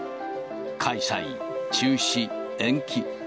開催、中止、延期。